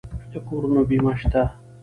د کورونو بیمه شته؟